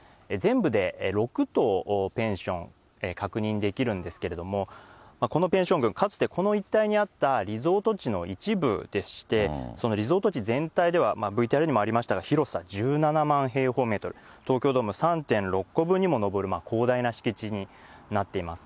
全部で６棟ペンション、確認できるんですけれども、このペンション群、かつてこの一帯にあったリゾート地の一部でして、そのリゾート地全体では、ＶＴＲにもありましたが、広さ１７万平方メートル、東京ドーム３．６個分にも上る広大な敷地になっています。